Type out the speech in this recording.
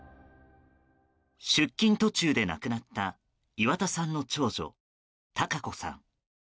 出勤途中で亡くなった岩田さんの長女・孝子さん。